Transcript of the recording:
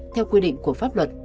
theo quy định của pháp luật